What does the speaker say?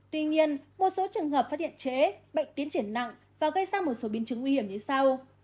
tuy nhiên một số trường hợp phát hiện trễ bệnh tiến triển nặng và gây ra một số biến chứng nguy hiểm đến sau